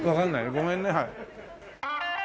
ごめんねはい。